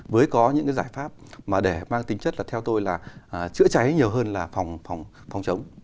với có những cái giải pháp mà để mang tính chất là theo tôi là chữa cháy nhiều hơn là phòng chống